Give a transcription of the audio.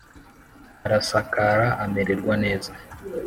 arasakara, amererwa neza.